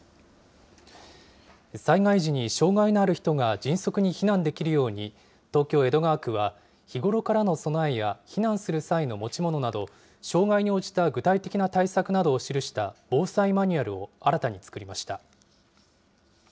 災害時に障害のある人が迅速に避難できるように、東京・江戸川区は、日頃からの備えや避難する際の持ち物など、障害に応じた具体的な対策などを記した防災マニュアルを新たに作りました。